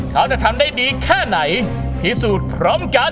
เขาจะทำได้ดีแค่ไหนพิสูจน์พร้อมกัน